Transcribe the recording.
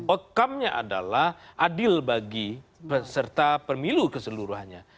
outcome nya adalah adil bagi peserta pemilu keseluruhannya